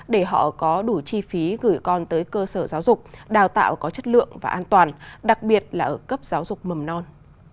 để họ có đủ chi phí gửi con tới cơ sở giáo dục đào tạo có chất lượng và an toàn đặc biệt là ở cấp giáo dục mầm non